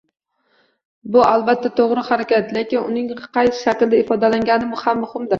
Bu albatta to‘g‘ri harakat, lekin uning qay shaklda ifodalangani ham muhimdir